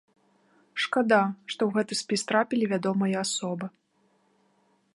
Шкада, што ў гэты спіс трапілі вядомыя асобы.